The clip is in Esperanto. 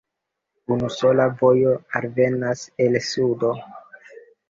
Unusola vojo alvenas el sudo.